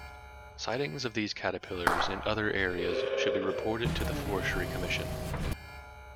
Sightings of these caterpillars in other areas should be reported to the Forestry Commission.